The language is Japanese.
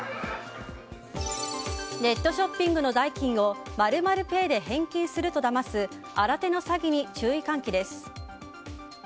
ネットショッピングの代金を○○ペイで返金するとだます新手の詐欺に注意喚起です。